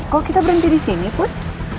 kok kita berhenti di sini put